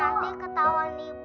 nanti ketahuan ibu